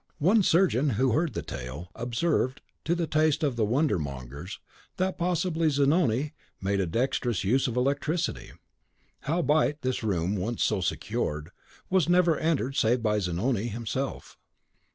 One surgeon, who heard the tale, observed, to the distaste of the wonder mongers, that possibly Zanoni made a dexterous use of electricity. Howbeit, this room, once so secured, was never entered save by Zanoni himself.